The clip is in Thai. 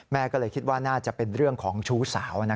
ก็เลยคิดว่าน่าจะเป็นเรื่องของชู้สาว